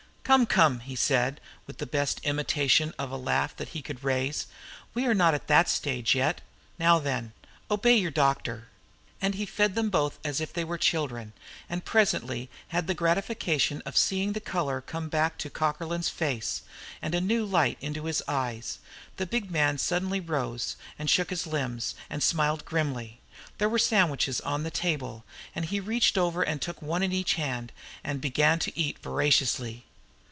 "Come, come!" he said, with the best imitation of a laugh that he could raise. "We're not at that stage yet. Now, then, obey your doctor." And he fed them both as if they were children, and presently had the gratification of seeing the colour come back to Cockerlyne's face, and a new light into his eyes. The big man suddenly rose, and shook his limbs, and smiled grimly. There were sandwiches on the table, and he reached over and took one in each hand, and began to eat voraciously.